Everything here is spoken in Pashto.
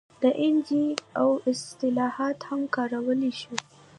د این جي او اصطلاح هم کارولی شو.